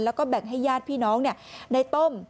แล้วก็แบ่งให้ญาติพี่น้องในต้ม